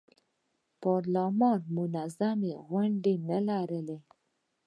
پارلمان منظمې غونډې نه لرلې.